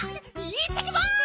いってきます！